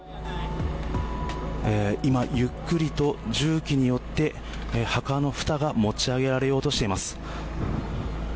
今、ゆっくりと重機によって墓のふたが持ち上げられようとしています。